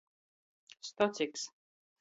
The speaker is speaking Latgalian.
Stociks.